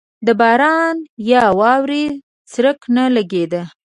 د باران یا واورې څرک نه لګېده.